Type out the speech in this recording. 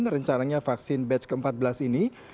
rencananya vaksin batch ke empat belas ini